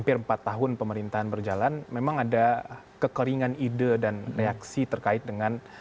setahun pemerintahan berjalan memang ada kekeringan ide dan reaksi terkait dengan